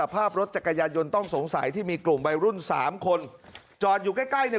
ภาพรถจักรยานยนต์ต้องสงสัยที่มีกลุ่มวัยรุ่นสามคนจอดอยู่ใกล้ใกล้เนี่ย